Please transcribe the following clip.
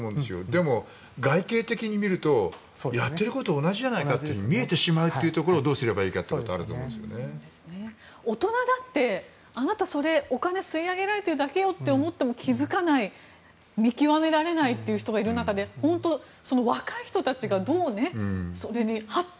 でも外形的に見るとやってること、同じじゃないかと見えてしまうことにどうすればいいかっていうところが大人だってあなたそれお金、吸い上げられているだけと思っても気付かない見極められないという人がいる中で本当、若い人たちがどうそれに、ハッと。